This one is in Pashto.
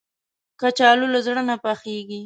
کچالو له زړه نه پخېږي